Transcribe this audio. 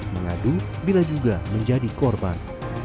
mengadu bila juga menjadi korban